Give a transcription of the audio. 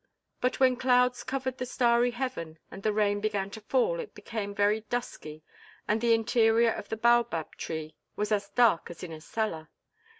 But when clouds covered the starry heaven and the rain began to fall it became very dusky and the interior of the baobab tree was as dark as in a cellar.